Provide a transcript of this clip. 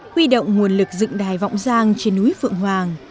huy động nguồn lực dựng đài vọng giang trên núi phượng hoàng